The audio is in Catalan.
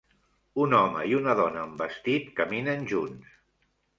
Un home i una dona amb vestit caminen junts.